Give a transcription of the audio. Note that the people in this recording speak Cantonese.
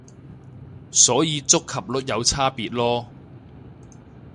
所以觸及率有差別囉